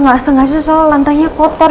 gak sengaja soalnya lantainya kotor